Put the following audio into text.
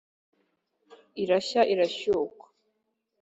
irashya irashyukwa